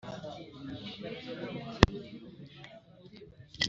ibikorwa remezo n umunyamabanga wa leta